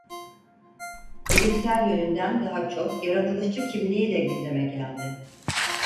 Bilimsel yönünden daha çok yaratılışçı kimliğiyle gündeme geldi.